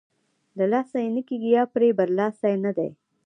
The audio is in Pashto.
له لاسه یې نه کېږي یا پرې برلاسۍ نه دی.